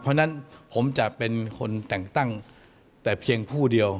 เพราะฉะนั้นผมจะเป็นคนแต่งตั้งแต่เพียงผู้เดียว